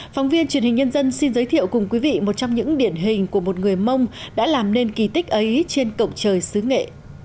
phóng viên truyền hình nhân dân xin giới thiệu cùng quý vị một trong những điển hình của một người mông đã làm nên kỳ tích ấy trên cổng trời xứ nghệ